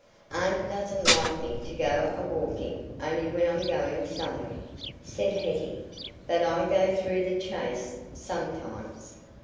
"Aunt doesn't like me to go a walking only when I'm going somewhere," said Hetty. "But I go through the Chase sometimes."